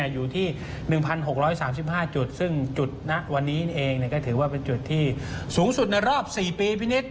อยู่ที่๑๖๓๕จุดซึ่งจุดณวันนี้เองก็ถือว่าเป็นจุดที่สูงสุดในรอบ๔ปีพี่นิด